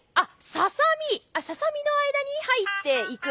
ささ身の間に入っていく？